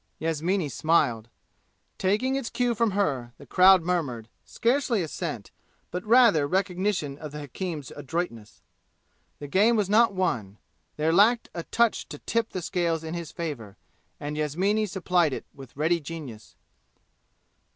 Yasmini smiled. Taking its cue from her, the crowd murmured, scarcely assent, but rather recognition of the hakim's adroitness. The game was not won; there lacked a touch to tip the scales in his favor, and Yasmini supplied it with ready genius.